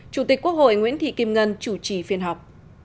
chủ tịch quốc hội nguyễn thị kim ngân chủ trì phiên họp